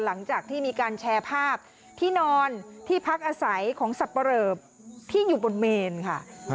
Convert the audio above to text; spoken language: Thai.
หลังจากที่มีการแชร์ภาพที่นอนที่พักอาศัยของสับปะเหลอที่อยู่บนเมนค่ะ